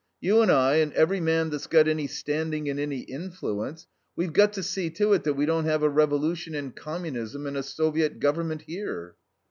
You and I and every man that's got any standing and any influence, we've got to see to it that we don't have a revolution and Communism and a Soviet Government here."